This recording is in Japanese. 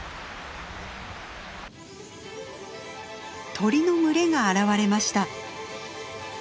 鳥の群れが現れました。